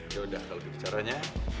yaudah kalo gitu caranya